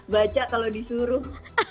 baca kalau disuruh